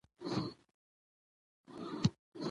په هر چا باندې او په هر ښار کې